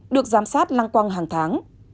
được giám sát lăng quăng hàng tháng